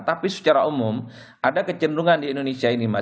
tapi secara umum ada kecenderungan di indonesia ini mas